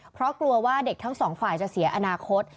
เพราะกลัวว่าเด็กทั้งสองฝ่ายจะเสียอนาคต